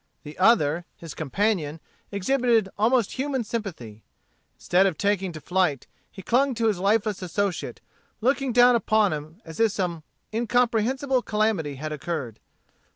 The other, his companion, exhibited almost human sympathy. Instead of taking to flight, he clung to his lifeless associate, looking down upon him as if some incomprehensible calamity had occurred.